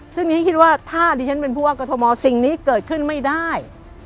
ซึ่งนี้คิดว่าถ้าดิฉันเป็นผู้ว่ากรทมสิ่งนี้เกิดขึ้นไม่ได้